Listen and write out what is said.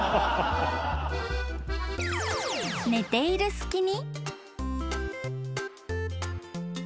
［寝ている隙に］